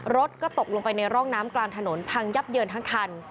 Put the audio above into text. รถก็ตกลงไปในร่องน้ำกลางถนนพังยับเยินทั้งคัน